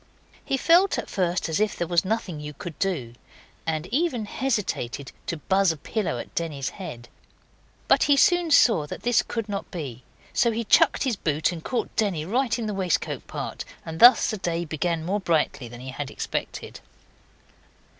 He felt at first as if there was nothing you could do, and even hesitated to buzz a pillow at Denny's head. But he soon saw that this could not be. So he chucked his boot and caught Denny right in the waistcoat part, and thus the day began more brightly than he had expected.